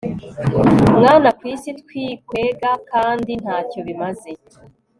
Mwana kwisi twikwega kandi ntacyo bimaze